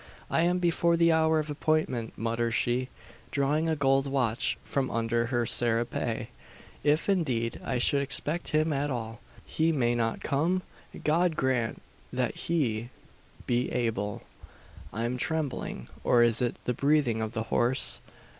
"I am before the hour of appointment," mutters she, drawing a gold watch from under her serape, "if, indeed, I should expect him at all. He may not come? God grant that he be able! "I am trembling! Or is it the breathing of the horse?